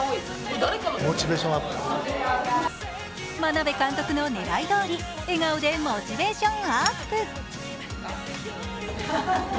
眞鍋監督の狙いどおり笑顔でモチベーションアップ。